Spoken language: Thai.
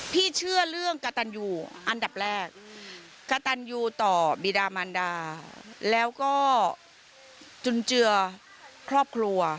เชื่อเรื่องกระตันอยู่อันดับแรกกระตันยูต่อบีดามันดาแล้วก็จุนเจือครอบครัว